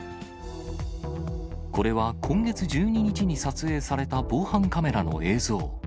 これは今月１２日に撮影された防犯カメラの映像。